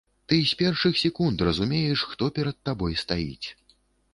Ты з першых секунд разумееш, хто перад табой стаіць.